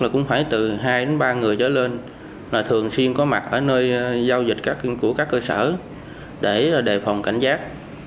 cũng phải từ hai đến ba người trở lên là thường xuyên có mặt ở nơi giao dịch của các cơ sở để đề phòng cảnh giác